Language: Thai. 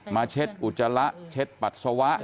เช็ดอุจจาระเช็ดปัสสาวะ